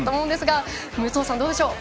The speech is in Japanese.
どうでしょう？